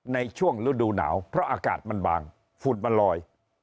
ในช่วงฤดูหนาวเพราะอากาศมันบางฝุ่นมันลอย